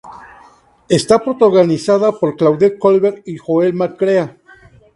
Está protagonizada por Claudette Colbert y Joel McCrea.